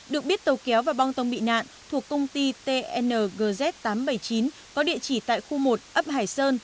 được biết tàu kéo và băng tông bị nạn thuộc công ty tngj tám trăm bảy mươi chín có địa chỉ tại khu một ấp hải sơn